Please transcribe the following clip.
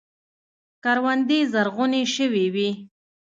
کروندې زرغونې شوې وې.